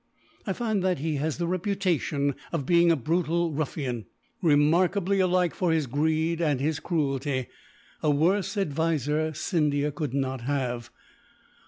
I find that he has the reputation of being a brutal ruffian, remarkable alike for his greed and his cruelty a worse adviser Scindia could not have.